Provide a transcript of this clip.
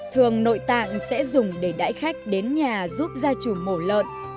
thường nội tạng sẽ dùng để đải khách đến nhà giúp gia chủ mổ lợn